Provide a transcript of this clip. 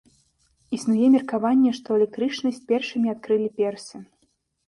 Існуе меркаванне, што электрычнасць першымі адкрылі персы.